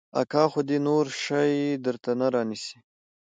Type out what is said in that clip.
اکا خو دې نور شى درته نه رانيسي.